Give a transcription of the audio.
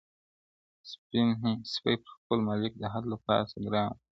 سپی پر خپل مالک د حد له پاسه ګران ؤ,